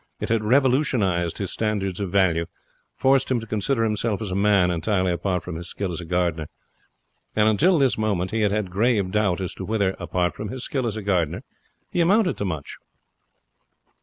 It had revolutionized his standards of value forced him to consider himself as a man, entirely apart from his skill as a gardener. And until this moment he had had grave doubt as to whether, apart from his skill as a gardener, he amounted to much.